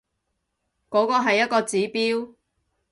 嗰個係一個指標